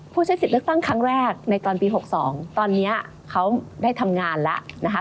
ใช้สิทธิ์เลือกตั้งครั้งแรกในตอนปี๖๒ตอนนี้เขาได้ทำงานแล้วนะคะ